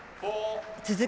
続く